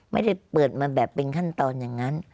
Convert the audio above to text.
ไม่ได้เปิดมาแบบเป็นขั้นตอนอย่างนั้น